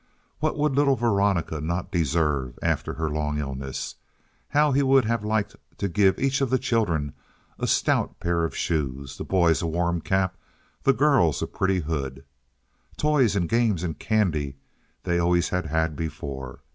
What would little Veronica not deserve after her long illness! How he would have liked to give each of the children a stout pair of shoes, the boys a warm cap, the girls a pretty hood. Toys and games and candy they always had had before.